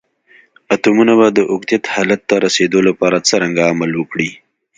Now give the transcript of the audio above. اتومونه به د اوکتیت حالت ته رسیدول لپاره څرنګه عمل وکړي؟